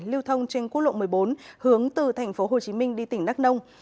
lưu thông trên quốc lộ một mươi bốn hướng từ thành phố hồ chí minh đi tỉnh đắk nông